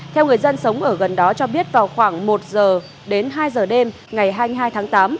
theo người dân sống ở gần đó cho biết vào khoảng một giờ đến hai giờ đêm ngày hai mươi hai tháng tám